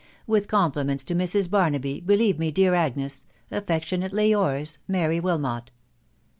With compliments to Mrs. Barnaby, believe me, dear Agnes, " Affectionately yours, " Mart Wilmot."